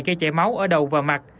gây chảy máu ở đầu và mặt